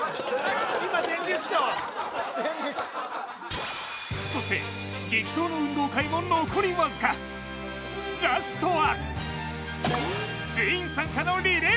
今電流きた電流そして激闘の運動会も残りわずかラストは？